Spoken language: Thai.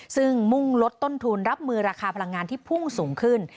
ซึ่งมุ่งลดต้นทุนรับมือราคาพลังงานที่พุ่งสูงขึ้น